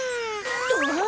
あっ。